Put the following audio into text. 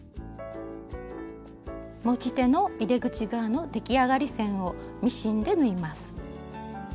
持ち手の入れ口側の出来上がり線をミシンで縫います。